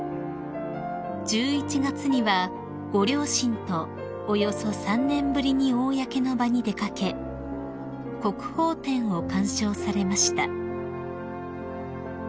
［１１月にはご両親とおよそ３年ぶりに公の場に出掛け国宝展を鑑賞されました］